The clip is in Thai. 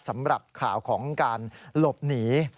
สำหรับข่าวของการหลบหนี